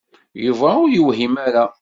Yuba ur yewhim ara.